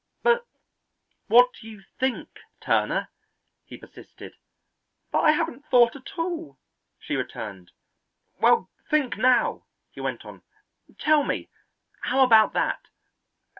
"But what do you think, Turner?" he persisted. "But I haven't thought at all," she returned. "Well, think now!" he went on. "Tell me how about that?"